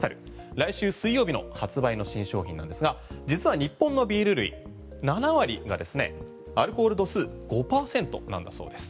来週水曜日の発売の新商品なんですが実は日本のビール類、７割がアルコール度数５％なんだそうです。